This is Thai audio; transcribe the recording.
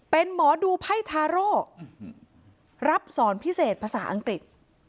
เป็นหมอดูไพ่ทาโร่รับสอนพิเศษภาษาอังกฤษ